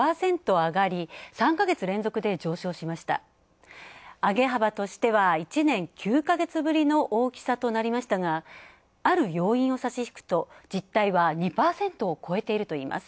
上げ幅としては１年９か月ぶりの大きさとなりましたがある要因を差し引くと実態は２％を超えているといいます。